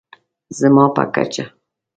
زما په کچه